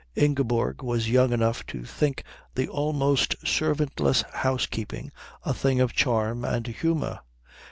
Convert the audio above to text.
Ingeborg was young enough to think the almost servantless housekeeping a thing of charm and humour.